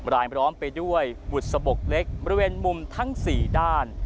รายล้อมไปด้วยบุษบกเล็กบริเวณมุมทั้ง๔ด้าน